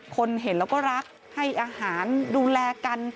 คนเห็นแล้วก็รักให้อาหารดูแลกัน